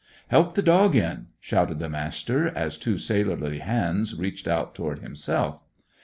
"Help the dog in!" shouted the Master, as two sailorly hands reached out toward himself.